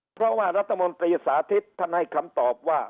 เพราะว่ารัฐมนตรีสาธิตท่านให้คำตอบว่า